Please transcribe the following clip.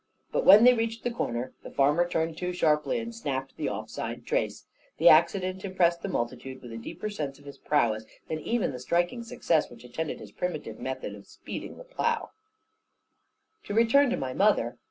But when they reached the corner, the farmer turned too sharply, and snapped the off side trace. That accident impressed the multitude with a deeper sense of his prowess than even the striking success which attended his primitive method of speeding the plough. To return to my mother.